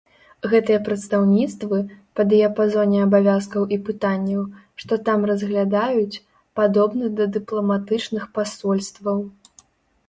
Гэтыя прадстаўніцтвы, па дыяпазоне абавязкаў і пытанняў, што там разглядаюць, падобны да дыпламатычных пасольстваў.